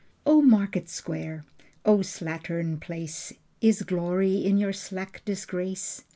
O market square, O slattern place, Is glory in your slack disgrace?